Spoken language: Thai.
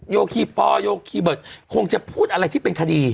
โยคีปอลโยคีเบิร์ตคงจะพูดอะไรที่เป็นคดี